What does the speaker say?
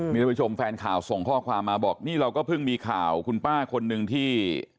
มีทุกผู้ชมแฟนข่าวส่งข้อความมาบอกนี่เราก็เพิ่งมีข่าวคุณป้าคนหนึ่งที่